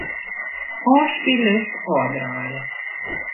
Ofspyllist ôfdraaie.